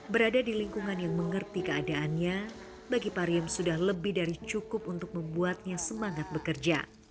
berada di lingkungan yang mengerti keadaannya bagi pariem sudah lebih dari cukup untuk membuatnya semangat bekerja